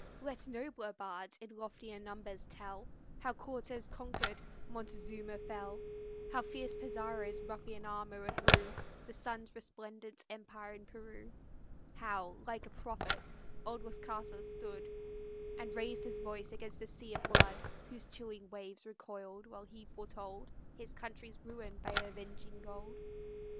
Let nobler bards in loftier numbers tell How Cortez conquer'd, Montezuma fell; How fierce Pizarro's ruffian arm o'erthrew The sun's resplendent empire in Peru; How, like a prophet, old Las Casas stood, And raised his voice against a sea of blood, Whose chilling waves recoil'd while he foretold His country's ruin by avenging gold.